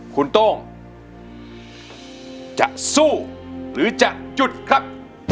คุณโต้งจะสู้หรือจะหยุดครับ